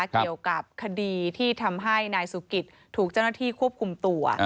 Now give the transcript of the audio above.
เกี่ยวกับคดีที่ทำให้นายสุกิตถูกเจ้าหน้าที่ควบคุมตัว